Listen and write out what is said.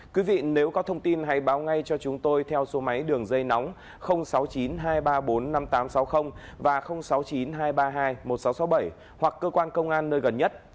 quý vị nếu có thông tin hãy báo ngay cho chúng tôi theo số máy đường dây nóng sáu mươi chín hai trăm ba mươi bốn năm nghìn tám trăm sáu mươi và sáu mươi chín hai trăm ba mươi hai một nghìn sáu trăm sáu mươi bảy hoặc cơ quan công an nơi gần nhất